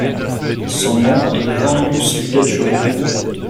Son nom est grand yousse ligaturé.